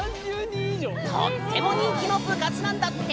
とっても人気の部活なんだって！